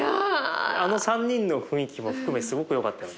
あの３人の雰囲気も含めすごくよかったよね。